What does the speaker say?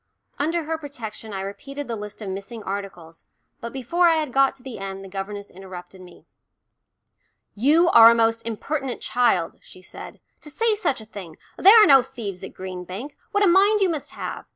Under her protection I repeated the list of missing articles, but before I had got to the end the governess interrupted me. "You are a most impertinent child," she said, "to say such a thing. There are no thieves at Green Bank what a mind you must have!